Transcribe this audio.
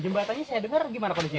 jembatannya saya dengar gimana kondisi pak